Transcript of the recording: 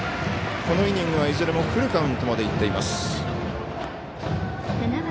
このイニングはいずれもフルカウントまでいっています。